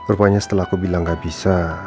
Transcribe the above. rupanya setelah aku bilang gak bisa